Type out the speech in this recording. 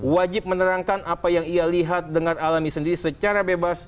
wajib menerangkan apa yang ia lihat dengan alami sendiri secara bebas